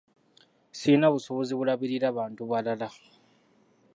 Sirina busobozi bulabirira bantu balala.